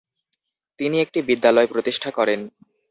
তিনি একটি বিদ্যালয় প্রতিষ্ঠা করেন।